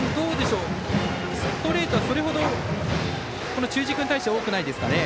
ストレートはそれほど中軸に対しては多くないですかね。